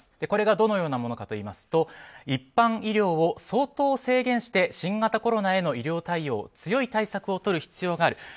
これがどのようなものかといいますと、一般医療を相当制限して新型コロナへの医療対応強い対策をとる必要がある。